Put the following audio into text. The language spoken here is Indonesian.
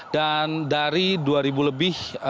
dan dari dua lebih